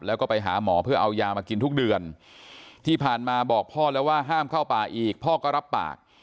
แล้วก็ไปหาหมอเพื่อเอายามากินทุกเดือนที่ผ่านมาบอกพ่อแล้วว่าห้ามเข้าป่าอีกพ่อก็รับปาก